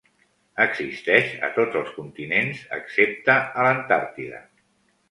Existeix a tots els continents excepte a l'Antàrtida.